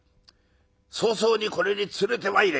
早々にこれに連れてまいれ。